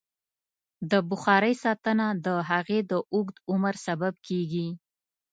د بخارۍ ساتنه د هغې د اوږد عمر سبب کېږي.